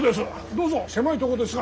どうぞ狭いとこですが。